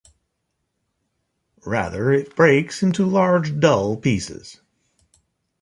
Rather, it breaks into large dull pieces.